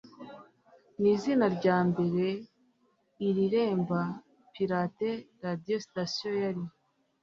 Ni izina rya mbere ireremba Pirate Radio Station yari